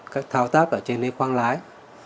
các thao tác ở trên khuang lái